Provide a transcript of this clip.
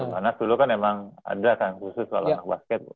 karena dulu kan emang ada kan khusus kalau anak basket